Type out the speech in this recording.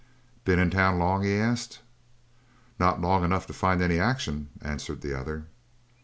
"Ben in town long?" he asked. "Not long enough to find any action," answered the other.